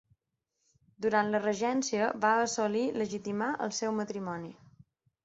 Durant la regència va assolir legitimar el seu matrimoni.